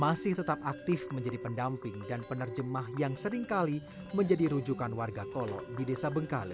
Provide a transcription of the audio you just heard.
masih tetap aktif menjadi pendamping dan penerjemah yang seringkali menjadi rujukan warga kolom di desa bengkale